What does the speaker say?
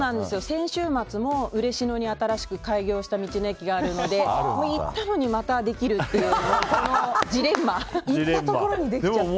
先週末も嬉野に新しく開業した道の駅があるので行ったのにまたできるっていうこのジレンマ。